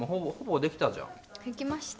できました。